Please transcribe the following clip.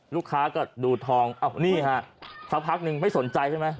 ลูกค้าก็ดูทองนี่ฮะสักพักนึงไม่สนใจใช่ไหม